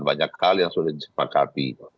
banyak hal yang sudah disepakati